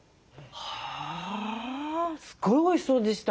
はあすごいおいしそうでした。